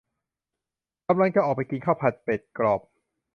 กำลังจะออกไปกินข้าวผัดเป็ดกรอบ